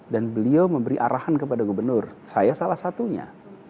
dan beliau memberi arahan kepada gubernur saya salah satunya